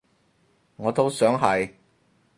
我都想係